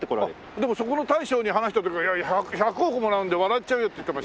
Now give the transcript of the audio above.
でもそこの大将に話した時は「１００億もらうんで笑っちゃうよ」って言ってましたけど。